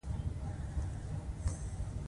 زه له نورو سره مرسته کوم.